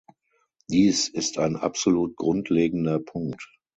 Dies ist ein absolut grundlegender Punkt.